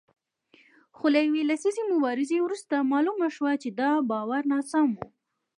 خو له یوې لسیزې مبارزې وروسته معلومه شوه چې دا باور ناسم و